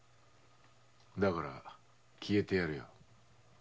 だから消えてやるよ。